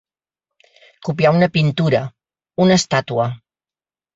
Copiar una pintura, una estàtua.